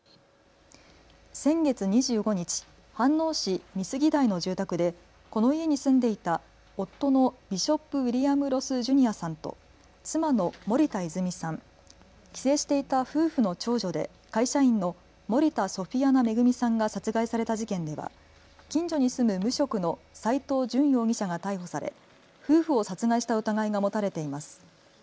先月２５日、飯能市美杉台の住宅でこの家に住んでいた夫のビショップ・ウィリアムロス・ジュニアさんと妻の森田泉さん、帰省していた夫婦の長女で会社員の森田ソフィアナ恵さんが殺害された事件では近所に住む無職の斎藤淳容疑者が逮捕され夫婦を殺害した疑いが持たれています。